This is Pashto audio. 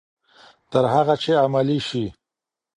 تر هغه چې عملي شي.